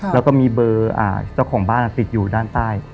แล้วก็มีเบอร์เจ้าของบ้านติดอยู่ด้านใต้